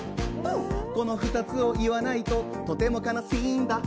この２つを言わないととてもかなすぃーんだ。